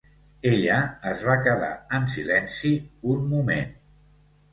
Ella es va quedar en silenci un moment.